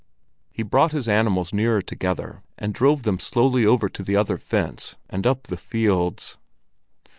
He brought his animals nearer together and drove them slowly over to the other fence and up the fields.